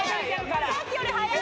さっきより速い。